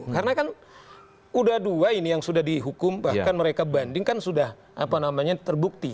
karena kan sudah dua ini yang sudah dihukum bahkan mereka banding kan sudah terbukti